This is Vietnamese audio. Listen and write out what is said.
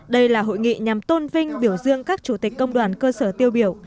đây là hội nghị nhằm tôn vinh biểu dương các chủ tịch công đoàn cơ sở tiêu biểu